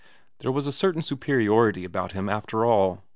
There was a certain superiority about him after all.